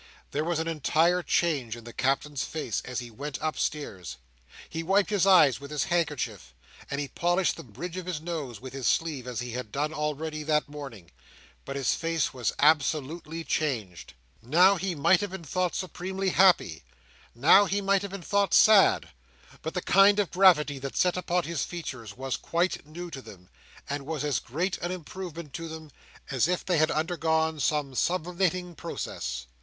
There was an entire change in the Captain's face as he went upstairs. He wiped his eyes with his handkerchief, and he polished the bridge of his nose with his sleeve as he had done already that morning, but his face was absolutely changed. Now, he might have been thought supremely happy; now, he might have been thought sad; but the kind of gravity that sat upon his features was quite new to them, and was as great an improvement to them as if they had undergone some sublimating process.